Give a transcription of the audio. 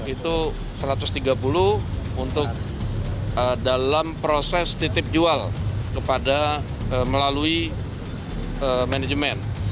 itu satu ratus tiga puluh untuk dalam proses titip jual kepada melalui manajemen